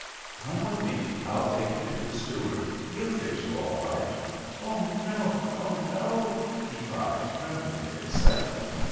"Come with me. I'll take you to the steward, he'll fix you all right." "Oh, no, no, no," he cried, trembling with excitement.